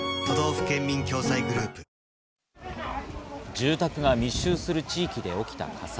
住宅が密集する地域で起きた火災。